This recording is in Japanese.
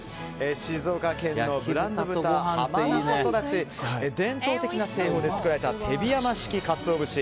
静岡県のブラント豚浜名湖そだちと伝統的な製法で作られた手火山式鰹節